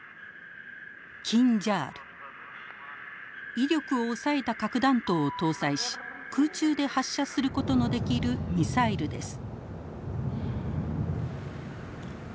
威力を抑えた核弾頭を搭載し空中で発射することのできるミサイルです。